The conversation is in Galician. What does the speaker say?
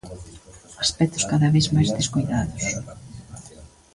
Aspectos cada vez mais descoidados.